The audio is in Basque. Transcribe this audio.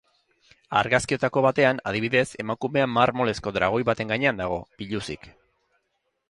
Argazkiotako batean, adibidez, emakumea marmolezko dragoi baten gainean dago, biluzik.